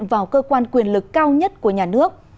vào cơ quan quyền lực cao nhất của nhà nước